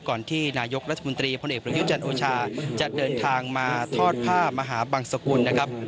ก่อนที่นายกรัฐมนตรีพลเอกประยุจันทร์โอชาจะเดินทางมาทอดผ้ามหาบังสกุลนะครับ